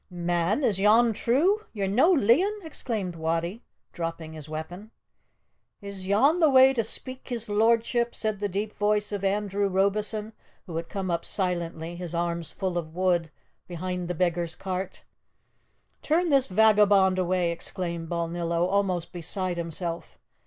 "Man, is yon true? Ye're no leein'?" exclaimed Wattie, dropping his weapon. "Is yon the way to speak to his lordship?" said the deep voice of Andrew Robieson, who had come up silently, his arms full of wood, behind the beggar's cart. "Turn this vagabond away!" exclaimed Balnillo, almost beside himself.